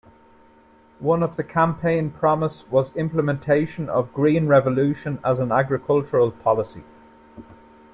One of the campaign promise was implementation of Green Revolution as an agricultural policy.